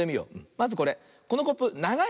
まずこれこのコップながいね。